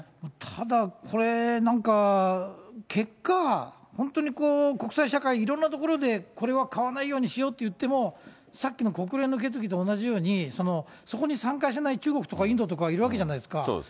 ただ、これ、なんか、結果、本当にこう、国際社会、いろんなところでこれは買わないようにしようといっても、さっきの国連の決議と同じように、そこに参加しない中国とかインドとかいるわけじゃないですか。